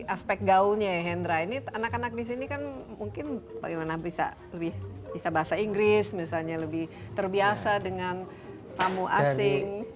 aspek gaulnya ya hendra ini anak anak di sini kan mungkin bagaimana bisa lebih bisa bahasa inggris misalnya lebih terbiasa dengan tamu asing